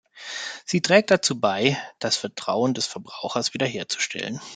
Sie trägt dazu bei, das Vertrauen des Verbrauchers wiederherzustellen.